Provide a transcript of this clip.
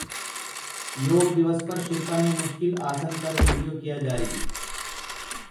योग दिवस पर शिल्पा ने मुश्किल आसन कर वीडियो किया जारी